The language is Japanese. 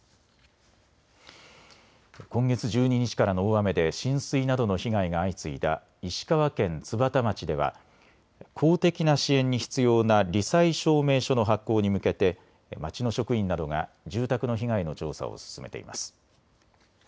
今月１２日からの大雨で浸水などの被害が相次いだ石川県津幡町では公的な支援に必要なり災証明書の発行に向けて町の職員などが住宅の被害の調査を進めています。